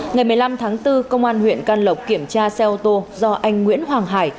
ngày một mươi năm tháng bốn công an huyện can lộc kiểm tra xe ô tô do anh nguyễn hoàng hải